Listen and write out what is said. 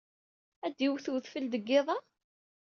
Ad d-iwwet wedfel deg yiḍ-a?